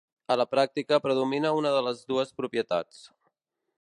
A la pràctica, predomina una de les dues propietats.